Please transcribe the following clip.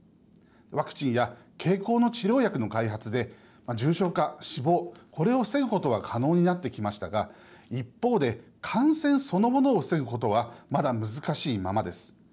ワクチンや経口の治療薬の開発で重症化、死亡これを防ぐことは可能になってきましたが一方で感染そのものを防ぐことはまだ難しいままです。